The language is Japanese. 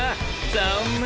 残念。